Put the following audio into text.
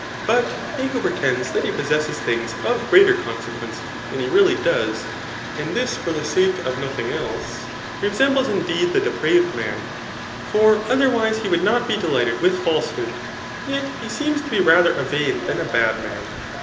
But he who pretends that he possesses^ things of greater conse quence than he really does, smd this^ for the sake ci nothmg else, resembles indlsed' the de[naved man; for otherwise he would not be de%hted wkh fetediood f yet be seems to be rather a vain* than a bad man.